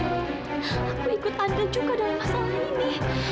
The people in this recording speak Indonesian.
aku ikut andra juga dalam masalah ini